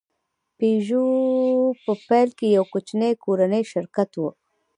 پيژو په پیل کې یو کوچنی کورنی شرکت و.